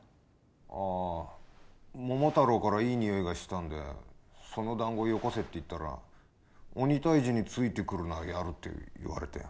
ああ桃太郎からいい匂いがしたんで「そのだんごよこせ」って言ったら「鬼退治についてくるならやる」って言われて。